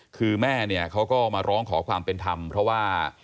คือแม่เนี่ยเขาก็มาร้องขอความเป็นธรรมเพราะว่า